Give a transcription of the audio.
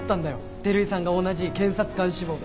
照井さんが同じ検察官志望で。